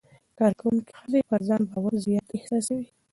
کارکوونکې ښځې پر ځان باور زیات احساسوي.